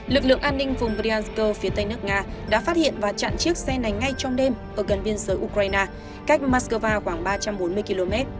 lực lượng an ninh vùng briansko phía tây nước nga đã phát hiện và chặn chiếc xe này ngay trong đêm ở gần biên giới ukraine cách moscow khoảng ba trăm bốn mươi km